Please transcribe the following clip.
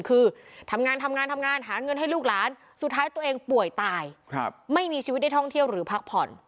คือทำงานทำงานทำงานหาเงินให้ลูกหลานสุดท้ายตัวเองป่วยตายไม่มีชีวิตได้ท่องเที่ยวหรือพักผ่อน